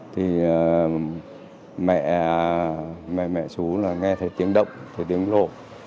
thì mẹ mẹ chú nghe thấy tiếng động tiếng lộ